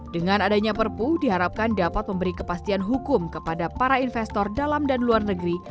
dengan adanya perpu diharapkan dapat memberi kepastian hukum kepada para investor dalam dan luar negeri